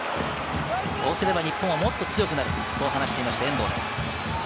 そうすれば日本はもっと強くなると話していました遠藤です。